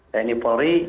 dan ini polri